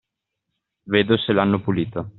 Vedo se l'hanno pulito.